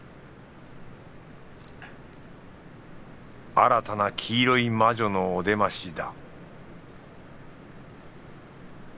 新たな黄色い魔女のお出ましだ